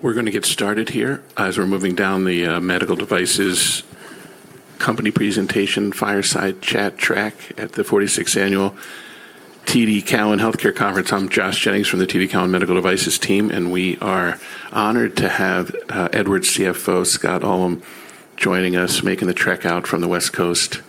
We're gonna get started here as we're moving down the medical devices company presentation fireside chat track at the 46th annual TD Cowen Healthcare Conference. I'm Josh Jennings from the TD Cowen Medical Devices team. We are honored to have Edwards CFO, Scott Ullem, joining us, making the trek out from the West Coast.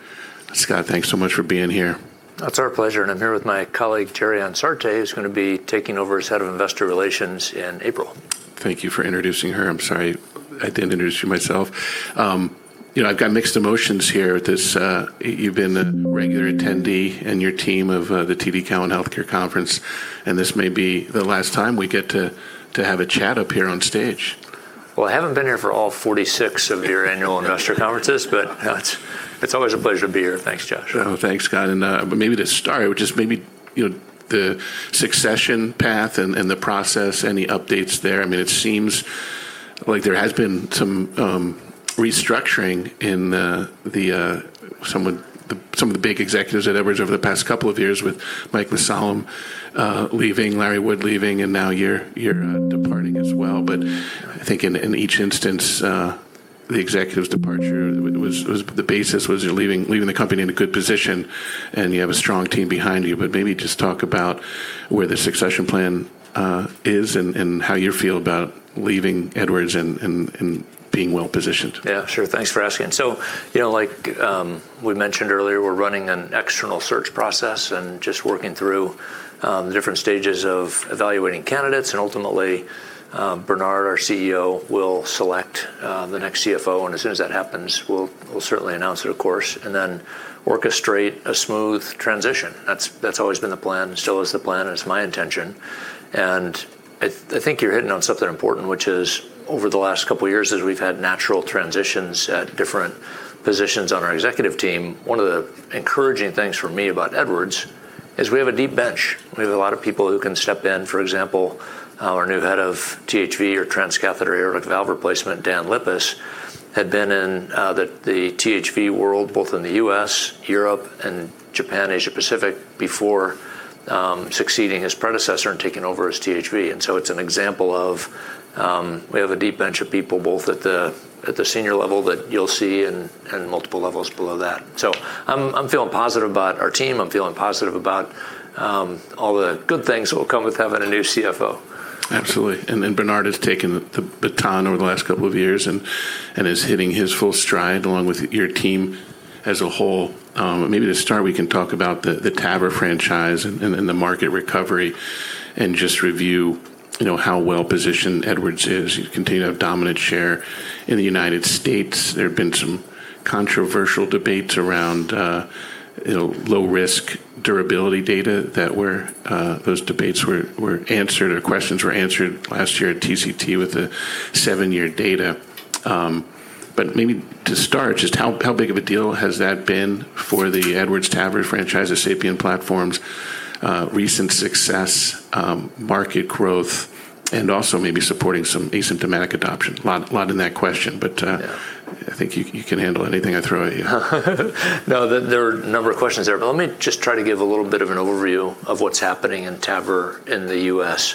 Scott, thanks so much for being here. It's our pleasure, and I'm here with my colleague, Teri Ansarte, who's gonna be taking over as head of investor relations in April. Thank you for introducing her. I'm sorry I didn't introduce you myself. you know, I've got mixed emotions here at this... you've been a regular attendee and your team of, the TD Cowen Healthcare Conference, and this may be the last time we get to have a chat up here on stage. Well, I haven't been here for all 46 of your annual investor conferences. It's always a pleasure to be here. Thanks, Josh. Thanks, Scott. Maybe to start with just maybe, you know, the succession path and the process, any updates there. I mean, it seems like there has been some restructuring in the, some of the, some of the big executives at Edwards over the past couple of years with Michael Mussallem leaving, Larry Wood leaving, and now you're departing as well. I think in each instance, the executive's departure was the basis was you're leaving the company in a good position, and you have a strong team behind you. Maybe just talk about where the succession plan is and how you feel about leaving Edwards and, and being well-positioned. Yeah, sure. Thanks for asking. You know, like, we mentioned earlier, we're running an external search process and just working through the different stages of evaluating candidates. Ultimately, Bernard, our CEO, will select the next CFO. As soon as that happens, we'll certainly announce it, of course, and then orchestrate a smooth transition. That's always been the plan. Still is the plan, and it's my intention. I think you're hitting on something important, which is over the last couple years as we've had natural transitions at different positions on our executive team, one of the encouraging things for me about Edwards is we have a deep bench. We have a lot of people who can step in. For example, our new head of THV or transcatheter aortic valve replacement, Dan Lippis, had been in the THV world, both in the US, Europe, and Japan, Asia-Pacific, before succeeding his predecessor and taking over as THV. It's an example of we have a deep bench of people, both at the senior level that you'll see and multiple levels below that. I'm feeling positive about our team. I'm feeling positive about all the good things that will come with having a new CFO. Absolutely. Bernard has taken the baton over the last two years and is hitting his full stride along with your team as a whole. Maybe to start, we can talk about the TAVR franchise and the market recovery and just review, you know, how well-positioned Edwards is. You continue to have dominant share in the United States. There have been some controversial debates around, you know, low-risk durability data that were those debates were answered or questions were answered last year at TCT with the seven-year data. Maybe to start, just how big of a deal has that been for the Edwards TAVR franchise's SAPIEN platform's recent success, market growth, and also maybe supporting some asymptomatic adoption? Lot in that question, but. Yeah... I think you can handle anything I throw at you. No, there are a number of questions there, but let me just try to give a little bit of an overview of what's happening in TAVR in the US.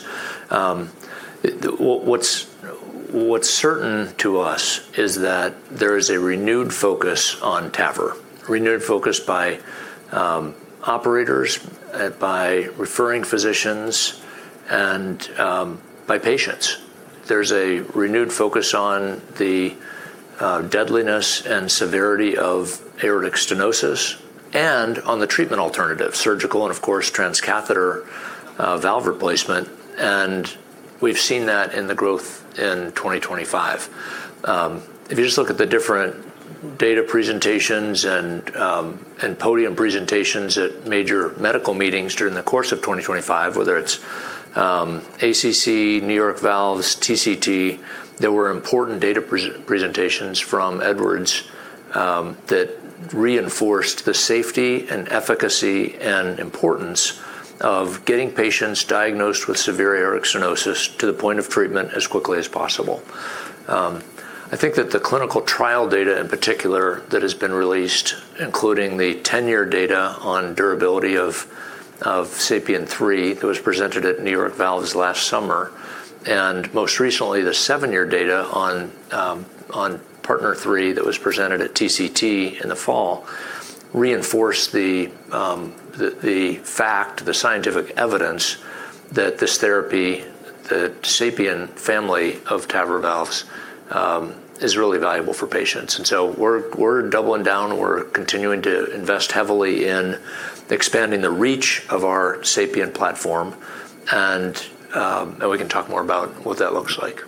What's certain to us is that there is a renewed focus on TAVR, renewed focus by operators, by referring physicians, and by patients. There's a renewed focus on the deadliness and severity of aortic stenosis and on the treatment alternative, surgical and of course, transcatheter valve replacement. We've seen that in the growth in 2025. If you just look at the different data presentations and podium presentations at major medical meetings during the course of 2025, whether it's ACC, New York Valves, or TCT, there were important data presentations from Edwards that reinforced the safety and efficacy and importance of getting patients diagnosed with severe aortic stenosis to the point of treatment as quickly as possible. I think that the clinical trial data in particular that has been released, including the 10-year data on durability of SAPIEN 3 that was presented at New York Valves last summer, and most recently, the seven-year data on PARTNER 3 that was presented at TCT in the fall, reinforced the fact, the scientific evidence that this therapy, the SAPIEN family of TAVR valves, is really valuable for patients. We're doubling down. We're continuing to invest heavily in expanding the reach of our SAPIEN platform and we can talk more about what that looks like.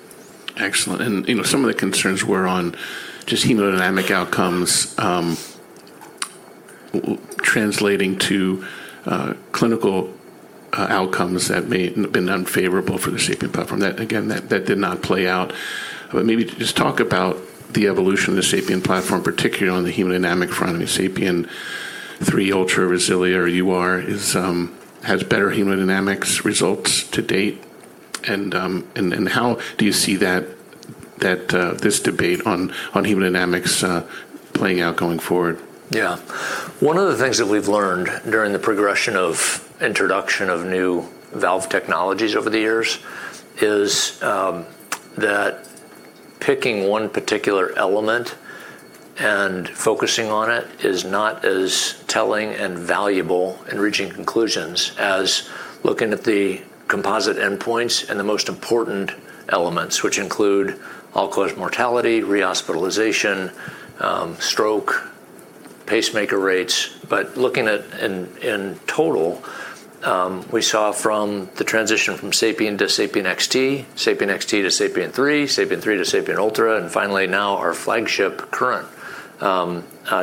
Excellent. You know, some of the concerns were on just hemodynamic outcomes, translating to clinical outcomes that may have been unfavorable for the SAPIEN platform. That again, that did not play out. Maybe just talk about the evolution of the SAPIEN platform, particularly on the hemodynamic front. I mean, SAPIEN 3 Ultra RESILIA or UR is, has better hemodynamics results to date. How do you see that, this debate on hemodynamics, playing out going forward? Yeah. One of the things that we've learned during the progression of introduction of new valve technologies over the years is that picking one particular element and focusing on it is not as telling and valuable in reaching conclusions as looking at the composite endpoints and the most important elements which include all-cause mortality, rehospitalization, stroke, pacemaker rates. Looking at in total, we saw from the transition from SAPIEN to SAPIEN XT, SAPIEN XT to SAPIEN 3, SAPIEN 3 to SAPIEN Ultra, and finally now our flagship current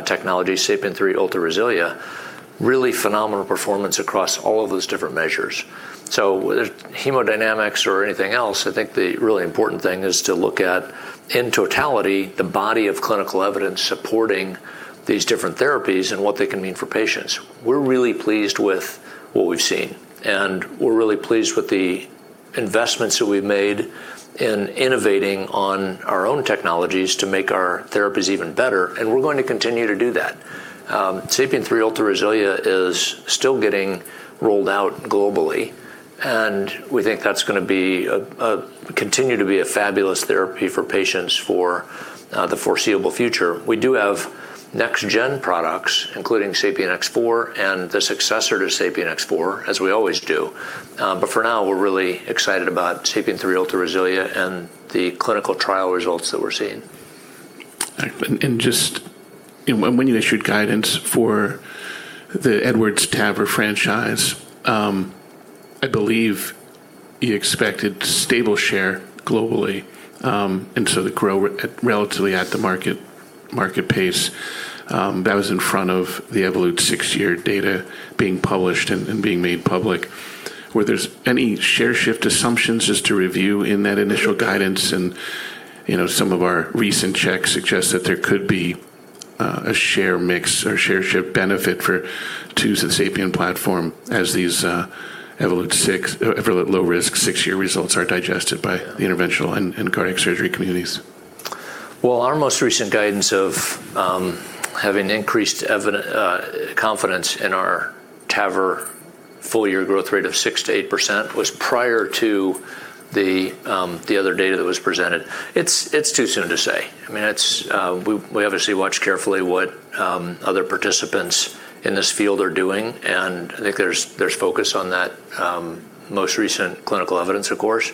technology, SAPIEN 3 Ultra RESILIA, really phenomenal performance across all of those different measures. Whether it's hemodynamics or anything else, I think the really important thing is to look at in totality the body of clinical evidence supporting these different therapies and what they can mean for patients. We're really pleased with what we've seen, and we're really pleased with the investments that we've made in innovating on our own technologies to make our therapies even better, and we're going to continue to do that. SAPIEN 3 Ultra RESILIA is still getting rolled out globally, and we think that's gonna continue to be a fabulous therapy for patients for the foreseeable future. We do have next-gen products, including SAPIEN X4 and the successor to SAPIEN X4, as we always do. For now, we're really excited about SAPIEN 3 Ultra RESILIA and the clinical trial results that we're seeing. When you issued guidance for the Edwards TAVR franchise, I believe you expected stable share globally, and so the grow at relatively at the market pace, that was in front of the Evolut six-year data being published and being made public. Were there's any share shift assumptions just to review in that initial guidance and, you know, some of our recent checks suggest that there could be a share mix or share shift benefit to the SAPIEN platform as these Evolut Low Risk six-year results are digested by the interventional and cardiac surgery communities? Well, our most recent guidance of having increased confidence in our TAVR full-year growth rate of 6%-8% was prior to the other data that was presented. It's too soon to say. I mean, it's. We obviously watch carefully what other participants in this field are doing, and I think there's focus on that most recent clinical evidence, of course.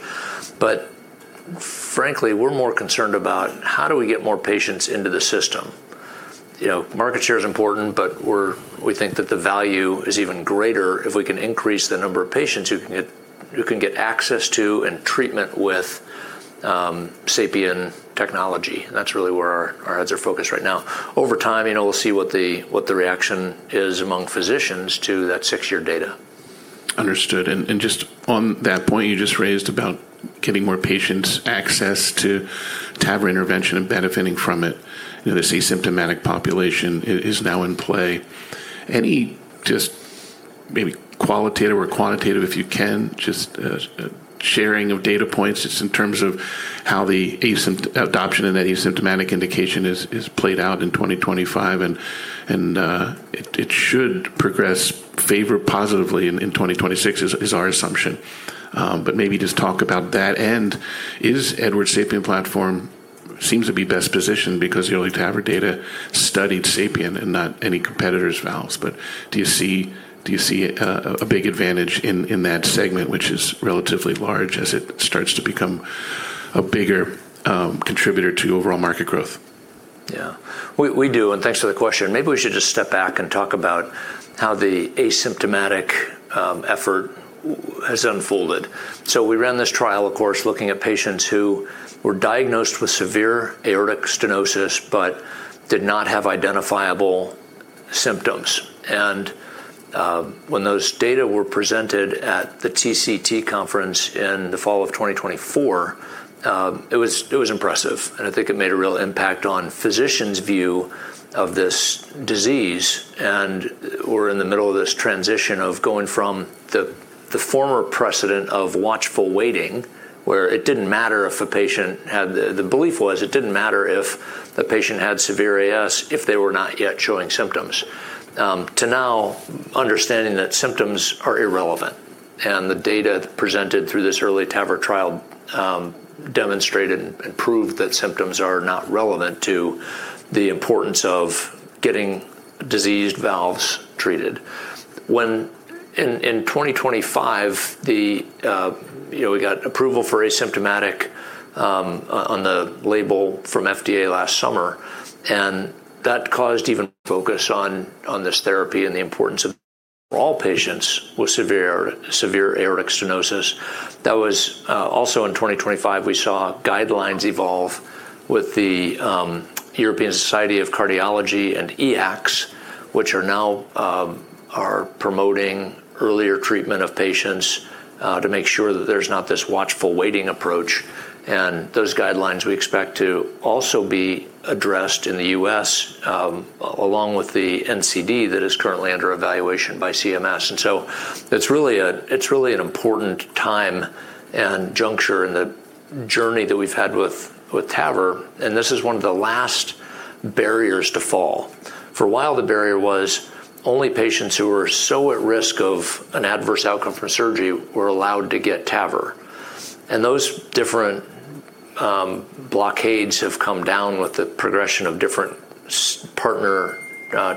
Frankly, we're more concerned about how do we get more patients into the system. You know, market share is important, but we think that the value is even greater if we can increase the number of patients who can get access to and treatment with SAPIEN technology. That's really where our heads are focused right now. Over time, you know, we'll see what the reaction is among physicians to that six-year data. Understood. Just on that point you just raised about getting more patients access to TAVR intervention and benefiting from it, you know, this asymptomatic population is now in play. Any just maybe qualitative or quantitative, if you can, just a sharing of data points just in terms of how the asymp-- adoption in that asymptomatic indication is played out in 2025 and it should progress favor positively in 2026 is our assumption. Maybe just talk about that. Is Edwards SAPIEN platform seems to be best positioned because the EARLY TAVR data studied SAPIEN and not any competitor's valves. Do you see a big advantage in that segment, which is relatively large as it starts to become a bigger contributor to overall market growth? Yeah. We do, thanks for the question. Maybe we should just step back and talk about how the asymptomatic effort has unfolded. We ran this trial, of course, looking at patients who were diagnosed with severe aortic stenosis but did not have identifiable symptoms. When those data were presented at the TCT conference in the fall of 2024, it was impressive, and I think it made a real impact on physicians' view of this disease. We're in the middle of this transition of going from the former precedent of watchful waiting, where it didn't matter if a patient had. The belief was it didn't matter if the patient had severe AS if they were not yet showing symptoms, to now understanding that symptoms are irrelevant. The data presented through this EARLY TAVR trial demonstrated and proved that symptoms are not relevant to the importance of getting diseased valves treated. When in 2025, the, you know, we got approval for asymptomatic on the label from FDA last summer, and that caused even focus on this therapy and the importance of all patients with severe aortic stenosis. Also in 2025, we saw guidelines evolve with the European Society of Cardiology and EACTS, which are now promoting earlier treatment of patients to make sure that there's not this watchful waiting approach. Those guidelines we expect to also be addressed in the US, along with the NCD that is currently under evaluation by CMS. It's really an important time and juncture in the journey that we've had with TAVR, and this is one of the last barriers to fall. For a while, the barrier was only patients who were so at risk of an adverse outcome from surgery were allowed to get TAVR. Those different blockades have come down with the progression of different PARTNER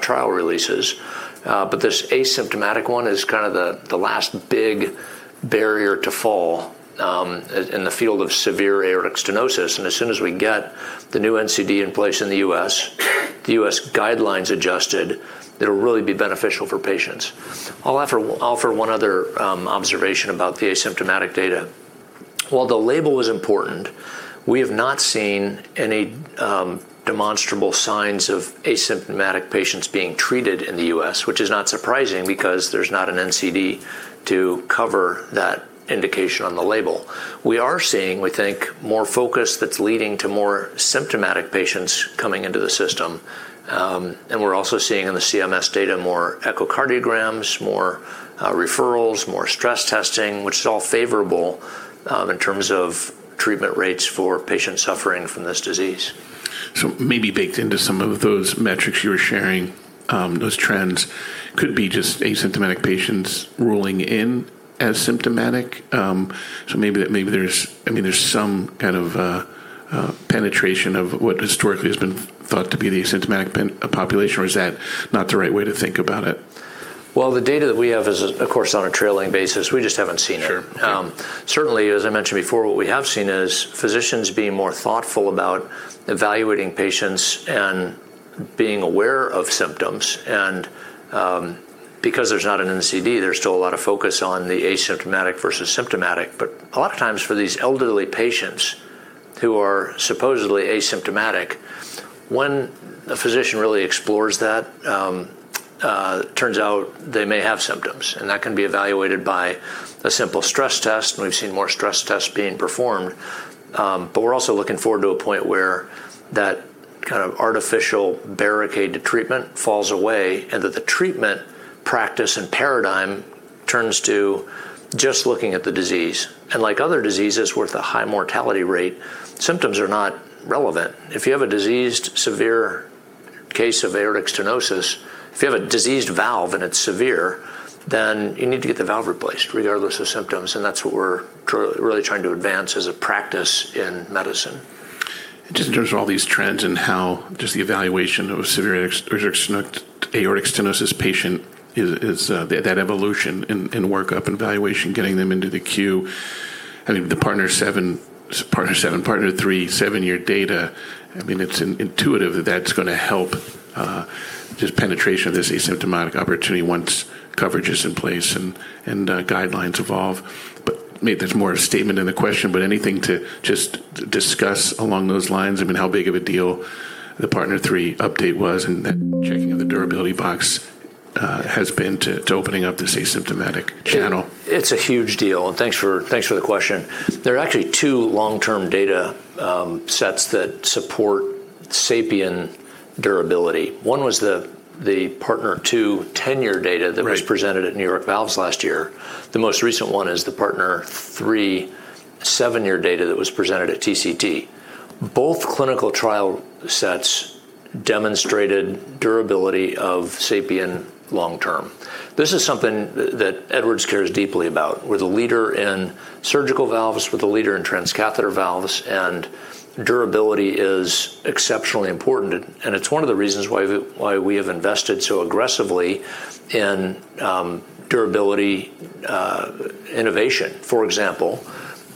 trial releases. This asymptomatic one is kinda the last big barrier to fall in the field of severe aortic stenosis. As soon as we get the new NCD in place in the US, the US guidelines adjusted, it'll really be beneficial for patients. I'll offer one other observation about the asymptomatic data. While the label was important, we have not seen any demonstrable signs of asymptomatic patients being treated in the US, which is not surprising because there's not an NCD to cover that indication on the label. We are seeing, we think, more focus that's leading to more symptomatic patients coming into the system. We're also seeing in the CMS data more echocardiograms, more referrals, more stress testing, which is all favorable in terms of treatment rates for patients suffering from this disease. Maybe baked into some of those metrics you were sharing, those trends could be just asymptomatic patients ruling in as symptomatic. Maybe there's, I mean, there's some kind of a penetration of what historically has been thought to be the asymptomatic population, or is that not the right way to think about it? Well, the data that we have is, of course, on a trailing basis. We just haven't seen it. Sure. Yeah. Certainly, as I mentioned before, what we have seen is physicians being more thoughtful about evaluating patients and being aware of symptoms. Because there's not an NCD, there's still a lot of focus on the asymptomatic versus symptomatic. A lot of times for these elderly patients who are supposedly asymptomatic, when a physician really explores that, turns out they may have symptoms, and that can be evaluated by a simple stress test, and we've seen more stress tests being performed. We're also looking forward to a point where that kind of artificial barricade to treatment falls away and that the treatment practice and paradigm turns to just looking at the disease. Like other diseases with a high mortality rate, symptoms are not relevant. If you have a diseased severe case of aortic stenosis, if you have a diseased valve and it's severe, then you need to get the valve replaced regardless of symptoms, and that's what we're really trying to advance as a practice in medicine. Just in terms of all these trends and how just the evaluation of a severe aortic stenosis patient is, that evolution in workup and evaluation, getting them into the queue. I think the PARTNER 3, seven-year data, I mean, it's intuitive that that's gonna help just penetration of this asymptomatic opportunity once coverage is in place and guidelines evolve. Maybe there's more of a statement in the question, but anything to just discuss along those lines? I mean, how big of a deal the PARTNER 3 update was and that checking of the durability box has been to opening up this asymptomatic channel? It's a huge deal, and thanks for the question. There are actually two long-term data sets that support SAPIEN durability. One was the PARTNER II 10-year data. Right ...that was presented at New York Valves last year. The most recent one is the PARTNER 3 seven-year data that was presented at TCT. Both clinical trial sets demonstrated durability of SAPIEN long term. This is something that Edwards cares deeply about. We're the leader in surgical valves. We're the leader in transcatheter valves, and durability is exceptionally important, and it's one of the reasons why we have invested so aggressively in durability innovation. For example,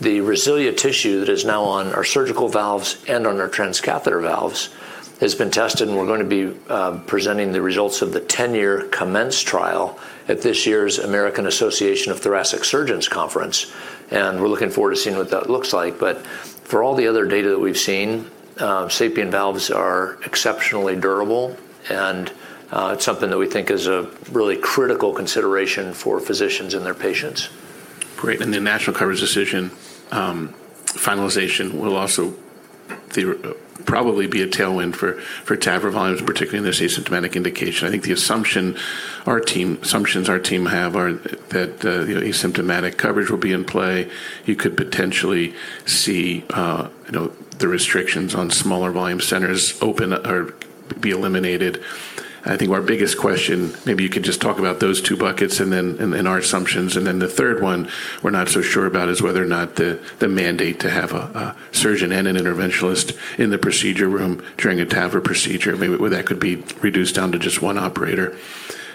the RESILIA tissue that is now on our surgical valves and on our transcatheter valves has been tested, and we're gonna be presenting the results of the 10-year COMMENCE trial at this year's American Association for Thoracic Surgery conference, and we're looking forward to seeing what that looks like. For all the other data that we've seen, SAPIEN valves are exceptionally durable, and it's something that we think is a really critical consideration for physicians and their patients. Great. The national coverage decision finalization will also probably be a tailwind for TAVR volumes, particularly in this asymptomatic indication. I think assumptions our team have are that, you know, asymptomatic coverage will be in play. You could potentially see, you know, the restrictions on smaller volume centers open or be eliminated. I think our biggest question, maybe you could just talk about those two buckets and then our assumptions. The third one we're not so sure about is whether or not the mandate to have a surgeon and an interventionalist in the procedure room during a TAVR procedure. Maybe where that could be reduced down to just one operator.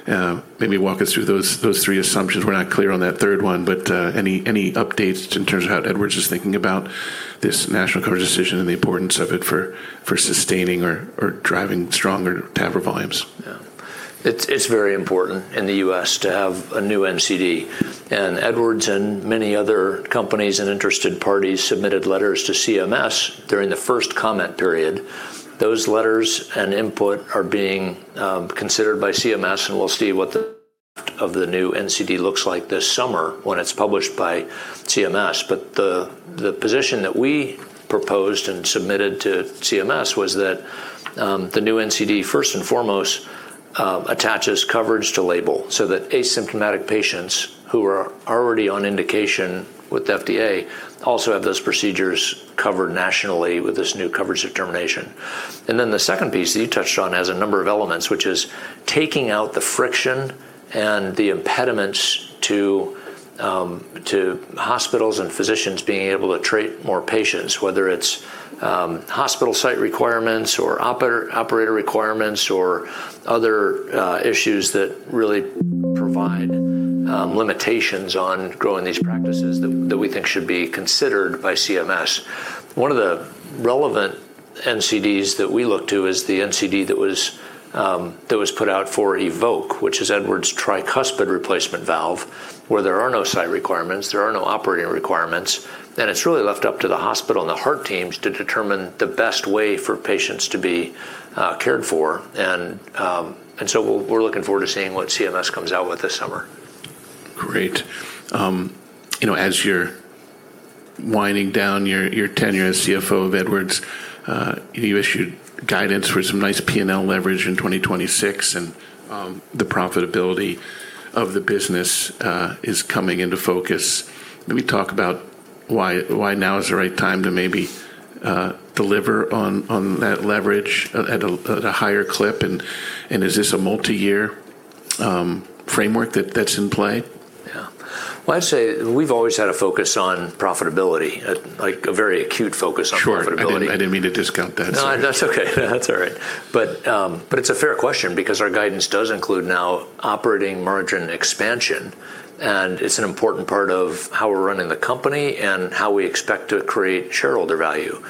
Maybe walk us through those three assumptions. We're not clear on that third one, but, any updates in terms of how Edwards is thinking about this national coverage decision and the importance of it for sustaining or driving stronger TAVR volumes? Yeah. It's very important in the US to have a new NCD. Edwards and many other companies and interested parties submitted letters to CMS during the first comment period. Those letters and input are being considered by CMS, and we'll see what the new NCD looks like this summer when it's published by CMS. The position that we proposed and submitted to CMS was that the new NCD first and foremost attaches coverage to label so that asymptomatic patients who are already on indication with FDA also have those procedures covered nationally with this new coverage determination. Then the second piece that you touched on has a number of elements, which is taking out the friction and the impediments to hospitals and physicians being able to treat more patients, whether it's hospital site requirements or operator requirements or other issues that really provide limitations on growing these practices that we think should be considered by CMS. One of the relevant NCDs that we look to is the NCD that was put out for EVOQUE, which is Edwards tricuspid replacement valve, where there are no site requirements, there are no operating requirements, and it's really left up to the hospital and the heart teams to determine the best way for patients to be cared for. We're looking forward to seeing what CMS comes out with this summer. Great. You know, as you're winding down your tenure as CFO of Edwards, you issued guidance for some nice P&L leverage in 2026. The profitability of the business is coming into focus. Let me talk about why now is the right time to maybe deliver on that leverage at a higher clip. Is this a multiyear framework that's in play? Yeah. Well, I'd say we've always had a focus on profitability, like a very acute focus on profitability. Sure. I didn't mean to discount that. No, that's okay. That's all right. It's a fair question because our guidance does include now operating margin expansion, and it's an important part of how we're running the company and how we expect to create shareholder value.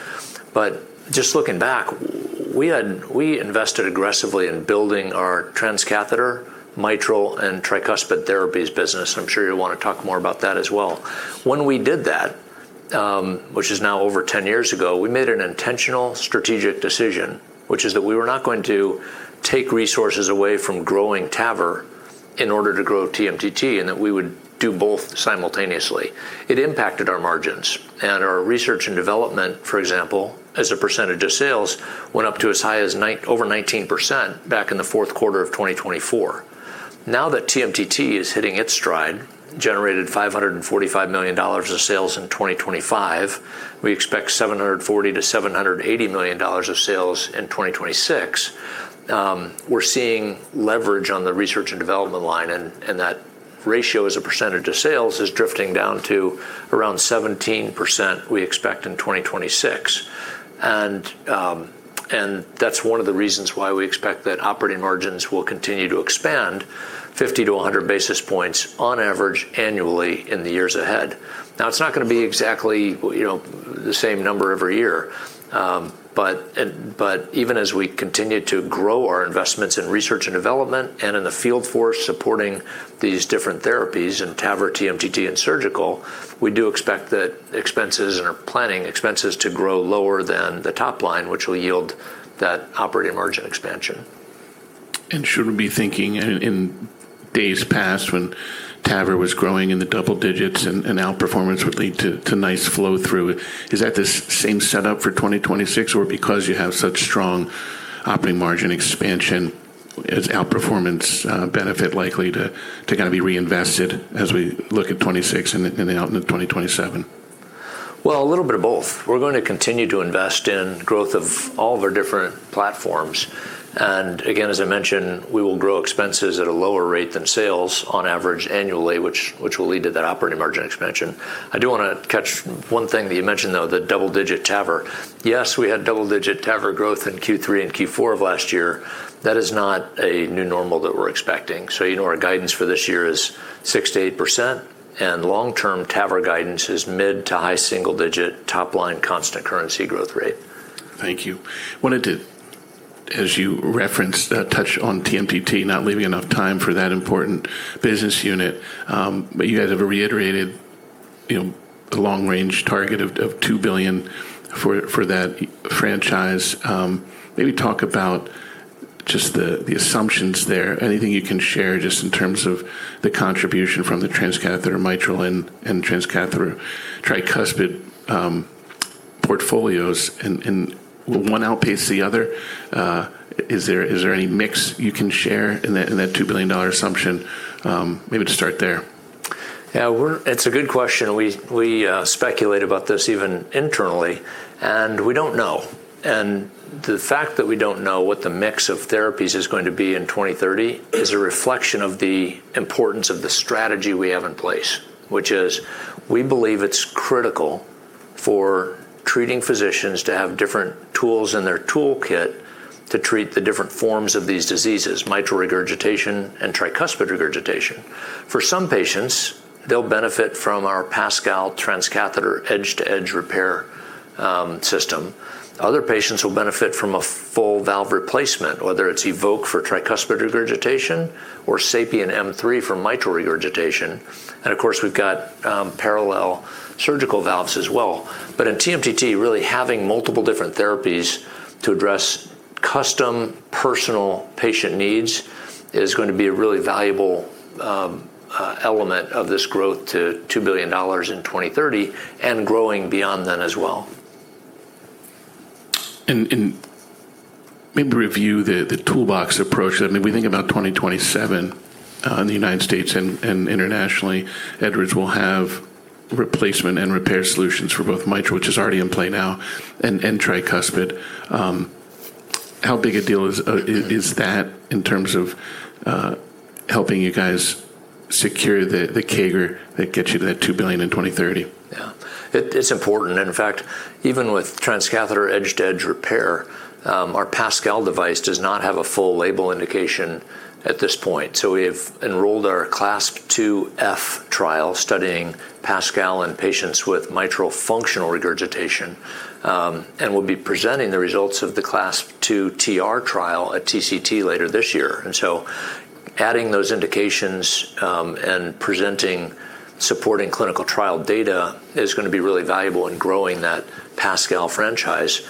Just looking back, we invested aggressively in building our transcatheter mitral and tricuspid therapies business. I'm sure you'll wanna talk more about that as well. When we did that, which is now over 10 years ago, we made an intentional strategic decision, which is that we were not going to take resources away from growing TAVR in order to grow TMDT, and that we would do both simultaneously. It impacted our margins, and our research and development, for example, as a percentage of sales, went up to as high as over 19% back in the fourth quarter of 2024. Now that TMDT is hitting its stride, generated $545 million of sales in 2025. We expect $740 to 780 million of sales in 2026. We're seeing leverage on the research and development line, and that ratio as a percentage of sales is drifting down to around 17% we expect in 2026. That's one of the reasons why we expect that operating margins will continue to expand 50-100 basis points on average annually in the years ahead. Now, it's not gonna be exactly, you know, the same number every year. Even as we continue to grow our investments in research and development and in the field force supporting these different therapies in TAVR, TMDT, and surgical, we do expect that expenses and our planning expenses to grow lower than the top line, which will yield that operating margin expansion. Should we be thinking in days past when TAVR was growing in the double digits and outperformance would lead to nice flow through. Is that the same setup for 2026, or because you have such strong operating margin expansion, is outperformance benefit likely to kinda be reinvested as we look at 2026 and then out in 2027? Well, a little bit of both. We're gonna continue to invest in growth of all of our different platforms. Again, as I mentioned, we will grow expenses at a lower rate than sales on average annually, which will lead to that operating margin expansion. I do wanna catch one thing that you mentioned, though, the double-digit TAVR. Yes, we had double-digit TAVR growth in Q3 and Q4 of last year. That is not a new normal that we're expecting. You know, our guidance for this year is 6%-8%, and long-term TAVR guidance is mid to high single digit top line constant currency growth rate. Thank you. Wanted to, as you referenced, touch on TMDT not leaving enough time for that important business unit. You guys have reiterated, you know, the long-range target of $2 billion for that franchise. Maybe talk about just the assumptions there. Anything you can share just in terms of the contribution from the transcatheter mitral and transcatheter tricuspid portfolios and will one outpace the other? Is there any mix you can share in that $2 billion assumption? Maybe just start there. Yeah. It's a good question. We speculate about this even internally, we don't know. The fact that we don't know what the mix of therapies is going to be in 2030 is a reflection of the importance of the strategy we have in place, which is we believe it's critical for treating physicians to have different tools in their toolkit to treat the different forms of these diseases, mitral regurgitation and tricuspid regurgitation. For some patients, they'll benefit from our PASCAL transcatheter edge-to-edge repair system. Other patients will benefit from a full valve replacement, whether it's EVOQUE for tricuspid regurgitation or SAPIEN M3 for mitral regurgitation. Of course, we've got parallel surgical valves as well. In TMDT, really having multiple different therapies to address custom personal patient needs is going to be a really valuable element of this growth to $2 billion in 2030 and growing beyond then as well. Maybe review the toolbox approach. I mean, we think about 2027 in the United States and internationally, Edwards will have replacement and repair solutions for both mitral, which is already in play now, and tricuspid. How big a deal is that in terms of helping you guys secure the CAGR that gets you to that $2 billion in 2030? Yeah. It's important. In fact, even with transcatheter edge-to-edge repair, our PASCAL device does not have a full label indication at this point. We have enrolled our CLASP 2F trial studying PASCAL in patients with mitral functional regurgitation. We'll be presenting the results of the CLASP 2TR trial at TCT later this year. Adding those indications, and presenting supporting clinical trial data is gonna be really valuable in growing that PASCAL franchise.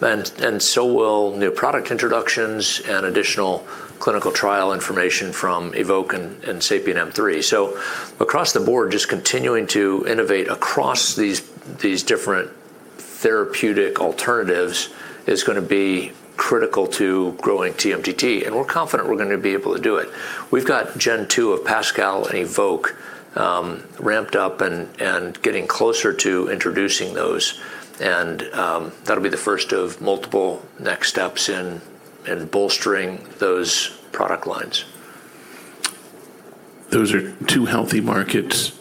And so will new product introductions and additional clinical trial information from EVOQUE and SAPIEN M3. Across the board, just continuing to innovate across these different therapeutic alternatives is gonna be critical to growing TMDT, and we're confident we're gonna be able to do it. We've got generation 2 of PASCAL and EVOQUE, ramped up and getting closer to introducing those and, that'll be the first of multiple next steps in bolstering those product lines. Those are two healthy markets.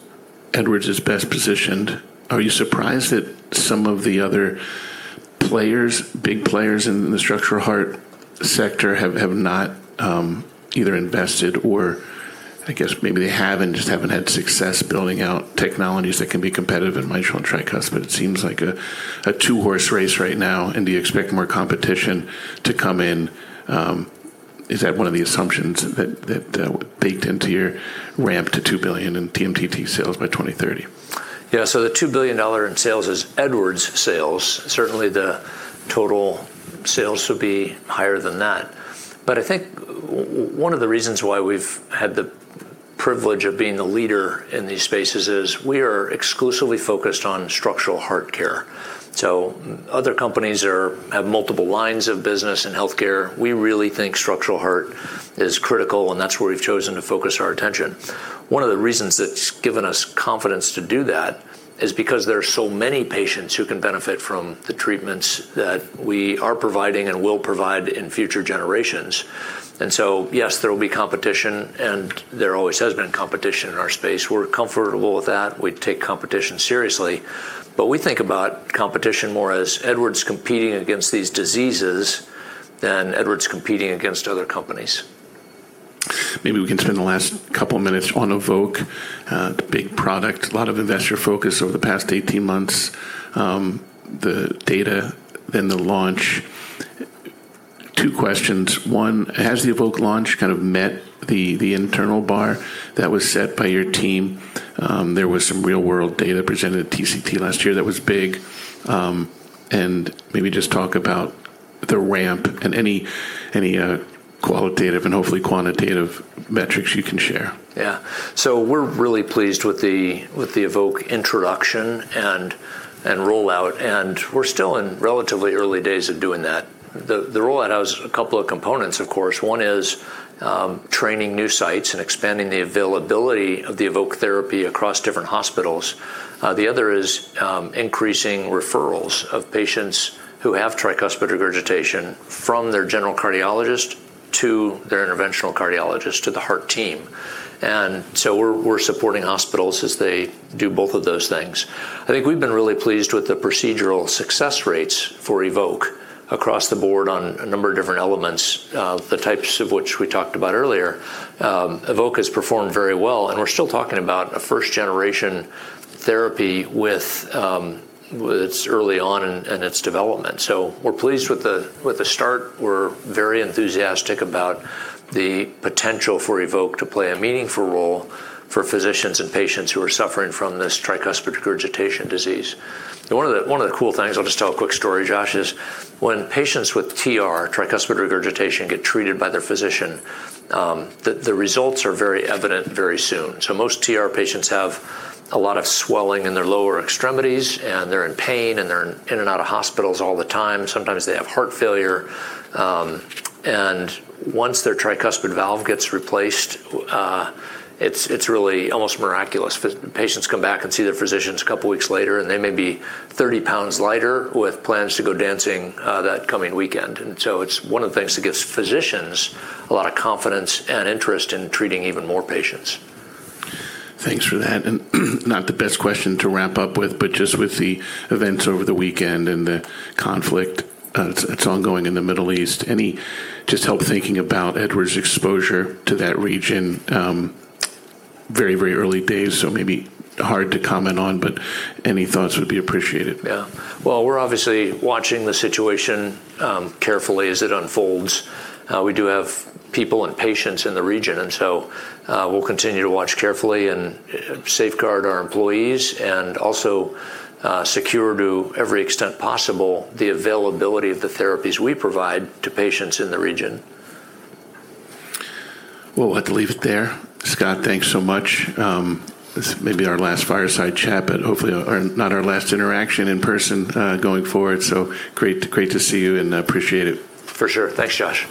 Edwards is best positioned. Are you surprised that some of the other players, big players in the structural heart sector have not either invested or I guess maybe they have and just haven't had success building out technologies that can be competitive in mitral and tricuspid. It seems like a two-horse race right now. Do you expect more competition to come in? Is that one of the assumptions that baked into your ramp to $2 billion in TMDT sales by 2030? Yeah. The $2 billion in sales is Edwards sales. Certainly, the total sales will be higher than that. I think one of the reasons why we've had the privilege of being the leader in these spaces is we are exclusively focused on structural heart care. Other companies have multiple lines of business in healthcare. We really think structural heart is critical, and that's where we've chosen to focus our attention. One of the reasons that's given us confidence to do that is because there are so many patients who can benefit from the treatments that we are providing and will provide in future generations. Yes, there will be competition, and there always has been competition in our space. We're comfortable with that. We take competition seriously. We think about competition more as Edwards competing against these diseases than Edwards competing against other companies. Maybe we can spend the last couple minutes on EVOQUE, the big product. A lot of investor focus over the past 18 months, the data, then the launch. Two questions. One, has the EVOQUE launch kind of met the internal bar that was set by your team? There was some real-world data presented at TCT last year that was big. Maybe just talk about the ramp and any qualitative and hopefully quantitative metrics you can share. We're really pleased with the EVOQUE introduction and rollout, and we're still in relatively early days of doing that. The rollout has a couple of components, of course. One is training new sites and expanding the availability of the EVOQUE therapy across different hospitals. The other is increasing referrals of patients who have tricuspid regurgitation from their general cardiologist to their interventional cardiologist to the heart team. We're supporting hospitals as they do both of those things. I think we've been really pleased with the procedural success rates for EVOQUE across the board on a number of different elements, the types of which we talked about earlier. EVOQUE has performed very well, and we're still talking about a first-generation therapy with its early on in its development. We're pleased with the start. We're very enthusiastic about the potential for EVOQUE to play a meaningful role for physicians and patients who are suffering from this tricuspid regurgitation disease. One of the cool things, I'll just tell a quick story, Josh, is when patients with TR, tricuspid regurgitation, get treated by their physician, the results are very evident very soon. Most TR patients have a lot of swelling in their lower extremities, and they're in pain, and they're in and out of hospitals all the time. Sometimes they have heart failure. Once their tricuspid valve gets replaced, it's really almost miraculous. Patients come back and see their physicians a couple weeks later, and they may be 30lbs lighter with plans to go dancing that coming weekend. It's one of the things that gives physicians a lot of confidence and interest in treating even more patients. Thanks for that. Not the best question to wrap up with, but just with the events over the weekend and the conflict that's ongoing in the Middle East. Any just help thinking about Edwards' exposure to that region? Very, very early days, so maybe hard to comment on, but any thoughts would be appreciated. Yeah. Well, we're obviously watching the situation, carefully as it unfolds. We do have people and patients in the region, we'll continue to watch carefully and safeguard our employees and also secure to every extent possible the availability of the therapies we provide to patients in the region. Well, we'll have to leave it there. Scott, thanks so much. This may be our last fireside chat, but hopefully not our last interaction in person, going forward. Great, great to see you, and I appreciate it. For sure. Thanks, Josh.